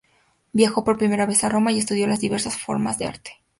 Viajó por primera vez a Roma y estudió las diversas formas de arte.